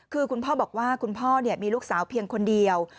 คือคุณพ่อบอกว่าคุณพ่อมีลูกสาวเพียงคนเดียว